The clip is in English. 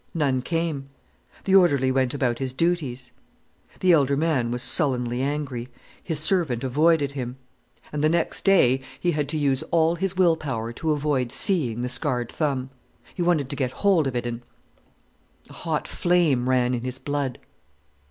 None came. The orderly went about his duties. The elder man was sullenly angry. His servant avoided him. And the next day he had to use all his willpower to avoid seeing the scarred thumb. He wanted to get hold of it and—— A hot flame ran in his blood.